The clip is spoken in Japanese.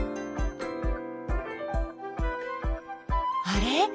あれ？